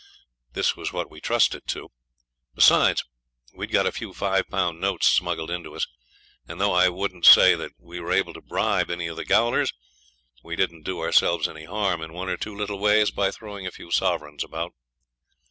This was what we trusted to. Besides, we had got a few five pound notes smuggled in to us; and though I wouldn't say that we were able to bribe any of the gaolers, we didn't do ourselves any harm in one or two little ways by throwing a few sovereigns about.